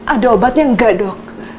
ada obatnya enggak dok